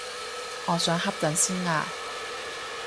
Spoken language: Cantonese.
我想瞌陣先啊